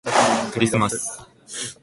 クリスマス